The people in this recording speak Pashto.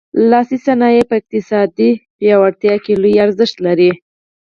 لاسي صنایع په اقتصادي پیاوړتیا کې لوی ارزښت لري.